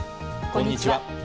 こんにちは。